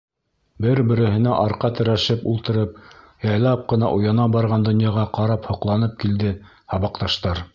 Бер-береһенә арҡа терәшеп ултырып, яйлап ҡына уяна барған донъяға ҡарап һоҡланып килде һабаҡташтар.